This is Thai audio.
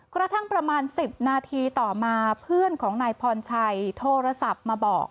กระทั่งประมาณ๑๐นาทีต่อมาเพื่อนของนายพรชัยโทรศัพท์มาบอก